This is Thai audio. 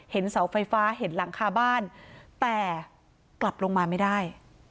เสาไฟฟ้าเห็นหลังคาบ้านแต่กลับลงมาไม่ได้